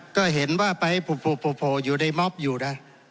ก็เห็นว่าไปโผล่อยู่ในม็อบอยู่นะ